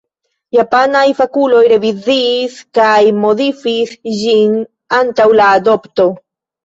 Japanaj fakuloj reviziis kaj modifis ĝin antaŭ la adopto.